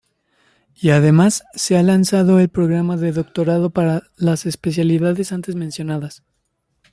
Y además se ha lanzado el Programa de Doctorado para las especialidades antes mencionadas.